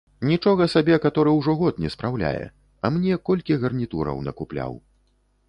Нічога сабе каторы ўжо год не спраўляе, а мне колькі гарнітураў накупляў.